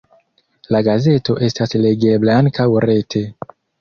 La gazeto estas legebla ankaŭ rete.